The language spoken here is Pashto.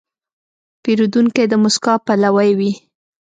پیرودونکی د موسکا پلوی وي.